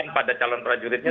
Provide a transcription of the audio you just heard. pengen pada calon prajuritnya